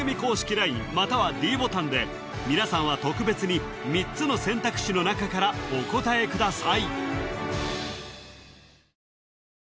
ＬＩＮＥまたはｄボタンで皆さんは特別に３つの選択肢の中からお答えください